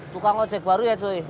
tukang ojek baru ya joy